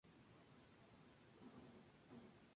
Es una mujer valiente, una heroína.